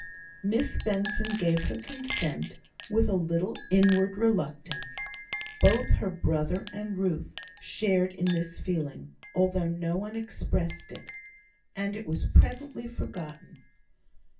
Miss Benson gave her consent with a little inward reluctance. Both her brother and Ruth shared in this feeling, although no one expressed it; and it was presently forgotten.